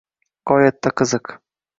G’oyatda qiziq!